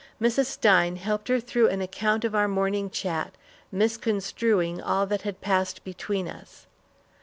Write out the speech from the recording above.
Mrs. Stein helped her through an account of our morning chat, misconstruing all that had passed between us.